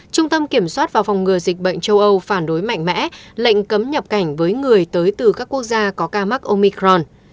trung tâm kiểm soát và phòng ngừa dịch bệnh châu âu phản đối mạnh mẽ lệnh cấm nhập cảnh với người tới từ các quốc gia có ca mắc omicron